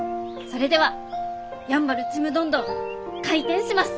それではやんばるちむどんどん開店します！